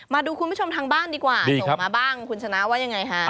มาดูคุณผู้ชมทางบ้านดีกว่าส่งมาบ้างคุณชนะว่ายังไงฮะ